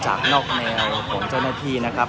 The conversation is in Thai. การประตูกรมทหารที่สิบเอ็ดเป็นภาพสดขนาดนี้นะครับ